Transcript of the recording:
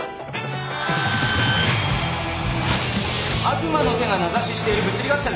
悪魔の手が名指ししている物理学者